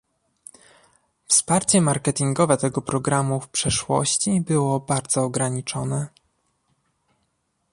Wsparcie marketingowe tego programu w przeszłości było bardzo ograniczone